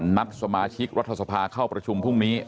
นัดสมาชิกรัฐสภาเข้าประชุมพรุ่งนี้